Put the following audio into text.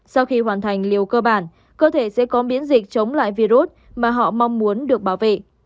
sau khi hoàn thành liều cơ bản cơ thể sẽ có miễn dịch chống lại virus mà họ mong muốn được bảo vệ